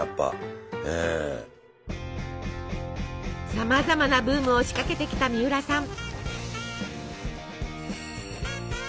さまざまなブームを仕掛けてきたみうらさん。